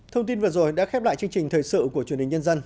thông tin vừa rồi đã khép lại chương trình thời sự của truyền hình nhân dân